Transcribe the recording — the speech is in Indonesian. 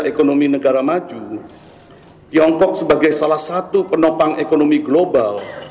ekonomi negara maju tiongkok sebagai salah satu penopang ekonomi global